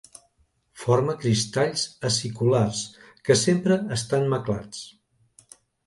Forma cristalls aciculars, que sempre estan maclats.